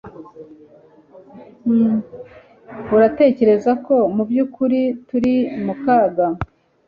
Uratekereza ko mubyukuri turi mukaga?